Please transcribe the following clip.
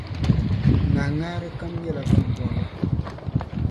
Ŋahiŋahara kam nyɛla vubɔrili.